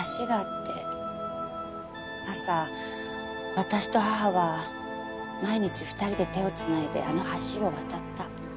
朝私と母は毎日２人で手を繋いであの橋を渡った。